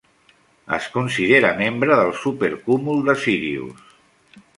Es considera membre del supercúmul de Sírius.